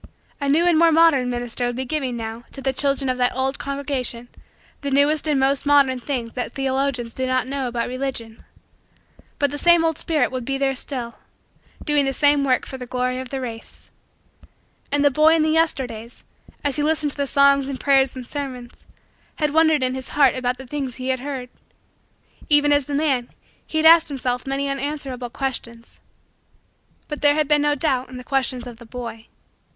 A new and more modern minister would be giving, now, to the children of that old congregation, the newest and most modern things that theologians do not know about Religion. But the same old spirit would be there still; doing the same work for the glory of the race. And the boy in the Yesterdays, as he listened to the songs and prayers and sermons, had wondered in his heart about the things he heard even as the man, he had asked himself many unanswerable questions... But there had been no doubt in the questions of the boy.